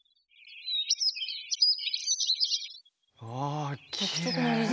あきれい！